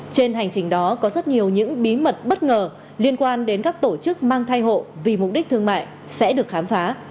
trên hành trình đó có rất nhiều những bí mật bất ngờ liên quan đến các tổ chức mang thai hộ vì mục đích thương mại sẽ được khám phá